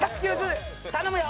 頼むよ！